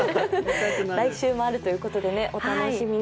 来週もあるということでお楽しみに。